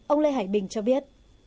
ông lê hải bình cho biết